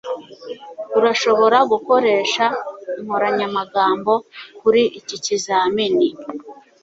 Urashobora gukoresha inkoranyamagambo kuri iki kizamini.